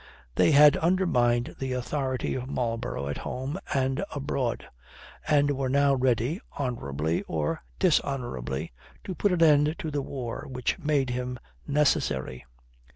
They had undermined the authority of Marlborough at home and abroad, and were now ready, honourably or dishonourably, to put an end to the war which made him necessary.